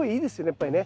やっぱりね。